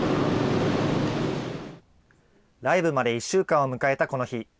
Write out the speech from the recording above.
ライブまで１週間を迎えたこの日。